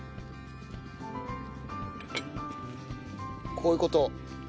こういう事？